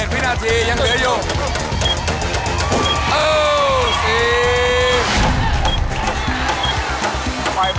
๓๑๗วินาทียังเดียวยก